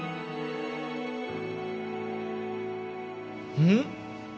うん？